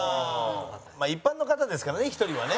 一般の方ですからね、１人はね。